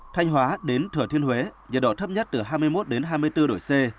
thanh hóa đến thừa thiên huế nhiệt độ thấp nhất từ hai mươi một hai mươi bốn độ c